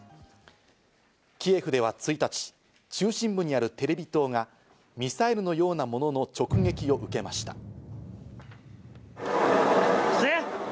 キエフでは１日、中心部にあるテレビ塔がミサイルのようなものの直撃を受けました。